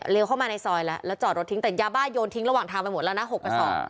เข้ามาในซอยแล้วแล้วจอดรถทิ้งแต่ยาบ้าโยนทิ้งระหว่างทางไปหมดแล้วนะ๖กระสอบ